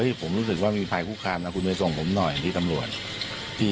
โอ๊ยผมรู้สึกว่ามีภัยคุกคามนะคุณเมย์ส่งผมหน่อยที่ตำรวจ